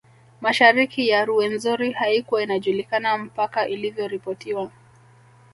Mashariki ya Ruwenzori haikuwa inajulikana mpaka ilivyoripotiwa